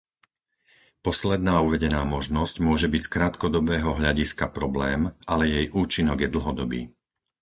Posledná uvedená možnosť môže byť z krátkodobého hľadiska problém, ale jej účinok je dlhodobý.